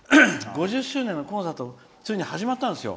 ５０周年のコンサートがついに始まったんですよ。